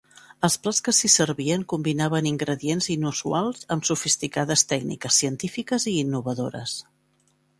Els plats que s'hi servien combinaven ingredients inusuals amb sofisticades tècniques científiques i innovadores.